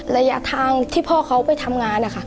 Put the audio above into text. ระยะทางที่พ่อเขาไปทำงานนะคะ